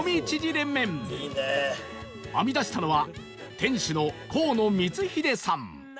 編み出したのは店主の河野三英さん